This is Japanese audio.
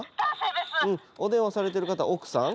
うんお電話されてる方は奥さん？